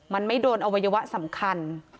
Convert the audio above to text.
มันไม่โดนอวัยวะสำคัญ